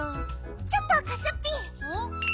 ちょっとかすッピ。